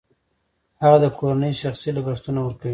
هغه د کورنۍ شخصي لګښتونه ورکوي